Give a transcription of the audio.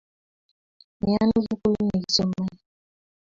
miano sukul nei somani